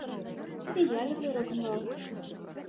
І я люблю рок-н-рол.